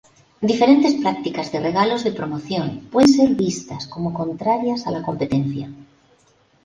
Diferentes prácticas de regalos de promoción pueden ser vistas como contrarias a la competencia.